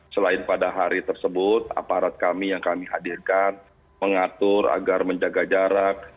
selain pada hari tersebut aparat kami yang kami hadirkan mengatur agar menjaga jarak